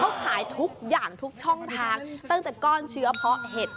เขาขายทุกอย่างทุกช่องทางตั้งแต่ก้อนเชื้อเพาะเห็ด